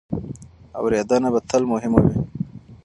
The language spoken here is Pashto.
اورېدنه به تل مهمه وي.